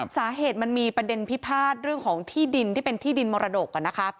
สาเหตุมันมีประเด็นพิพาทเรื่องของที่ดินที่เป็นที่ดินมรดกนะคะ